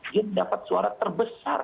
dia mendapat suara terbesar